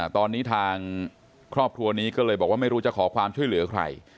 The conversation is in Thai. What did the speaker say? ตอนนี้ทางครอบครัวนี้ก็เลยบอกว่าไม่รู้จะขอความช่วยเหลือใคร